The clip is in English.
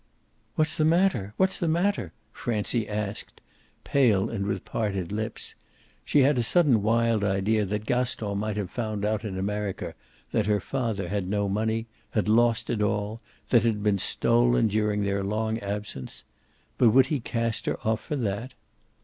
"What's the matter what's the matter?" Francie asked, pale and with parted lips. She had a sudden wild idea that Gaston might have found out in America that her father had no money, had lost it all; that it had been stolen during their long absence. But would he cast her off for that?